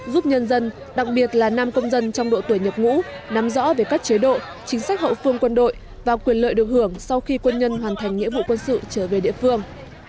giúp nhân dân đặc biệt là nam công dân trong độ tuổi nhập ngũ nắm rõ về các chế độ chính sách hậu phương quân đội và quyền lợi được hưởng sau khi quân nhân hoàn thành nghĩa vụ quân sự trở về địa phương